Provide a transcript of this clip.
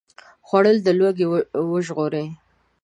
خوړل له لوږې وژغوري